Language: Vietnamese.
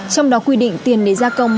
trong đó quy định tiền để gia công